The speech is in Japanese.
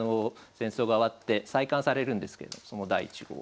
戦争が終わって再刊されるんですけれどもその第１号。